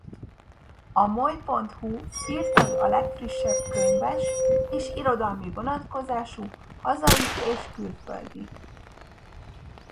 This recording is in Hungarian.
A Moly.hu hírt ad a legfrissebb könyves és irodalmi vonatkozású hazai és külföldi.